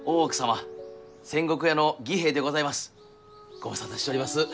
ご無沙汰しちょります。